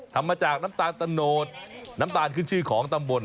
ทำมาจากน้ำตาลตะโนดน้ำตาลขึ้นชื่อของตำบล